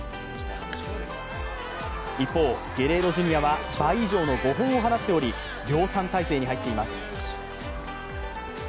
一方、ゲレーロジュニアは倍以上の５本を放っており量産態勢に入っています。